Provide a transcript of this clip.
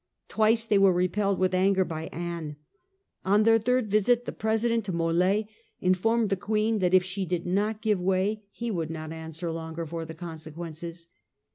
Twice they were repelled with anger by Anne. On their third visit the president Mold informed the Queen that if she did not give way he would not answer longer for the consequences.